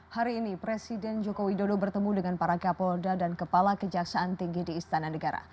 hari ini presiden joko widodo bertemu dengan para kapolda dan kepala kejaksaan tinggi di istana negara